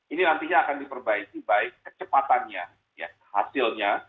ini nantinya akan diperbaiki baik kecepatannya hasilnya